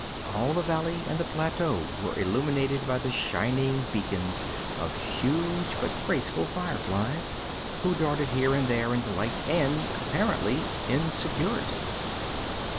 All the valley and the plateau were illumined by the shining beacons of huge but graceful fireflies, who darted here and there in delight and apparently in security.